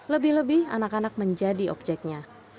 lebih lebih anak anak menjadi objeknya